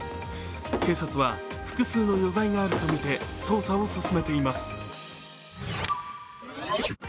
警察は複数の余罪があるとみて、捜査を進めています。